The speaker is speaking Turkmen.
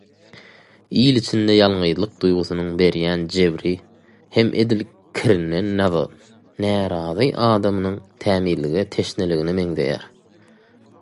Il içinde ýalňyzlyk duýgusynyň berýän jebri hem edil kirinden närazy adamynyň tämizlige teşneligine meňzeýär.